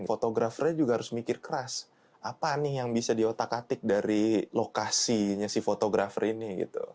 fotografernya juga harus mikir keras apa nih yang bisa diotak atik dari lokasinya si fotografer ini gitu